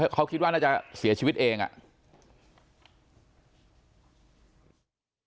เขาคิดว่าน่าจะเสียชีวิตเองอ่ะ